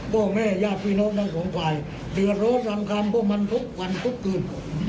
พ่อแม่ญาติพี่น้องทั้งสองฝ่ายเดือดร้อนรำคำพวกมันทุกวันทุกคืน